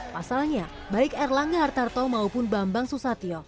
pasalnya baik erlangga hartarto maupun bambang susatyo